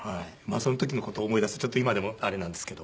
その時の事を思い出すとちょっと今でもあれなんですけど。